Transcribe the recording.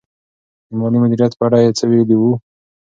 د مالي مدیریت په اړه یې څه ویلي وو؟